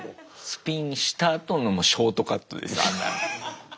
スピンしたあとのショートカットですよあんなの。